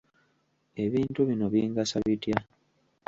Ebintu bino bingasa bitya?